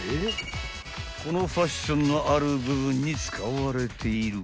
［このファッションのある部分に使われている］